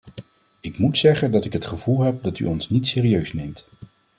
Ik moet zeggen dat ik het gevoel heb dat u ons niet serieus neemt.